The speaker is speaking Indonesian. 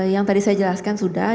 yang tadi saya jelaskan sudah